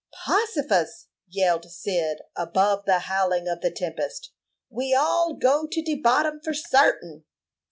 "Possifus!" yelled Cyd, above the howling of the tempest. "We all go to de bottom, for sartin."